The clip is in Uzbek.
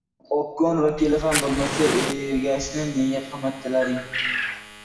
Obkom vakili ham. Bo‘lmasa, Ergashevni nega qamatdilaring?